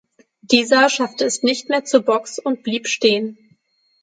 Dieser schaffte es nicht mehr zur Box und blieb stehen.